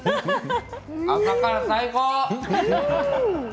朝から最高。